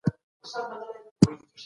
ټولنیزې اړیکي پیاوړې کړئ.